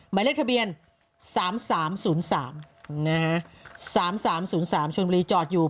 หมายเลขทะเบียน๓๓๐๓๓๓๐๓ชนบุรีจอดอยู่